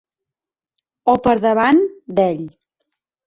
O per davant d'ell.